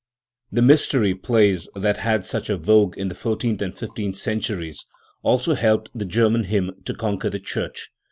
Tbe Mystery Plays that had such a vogue in the four teenth a,nd fifteenth centuries also helped the German hymn to conquer the church.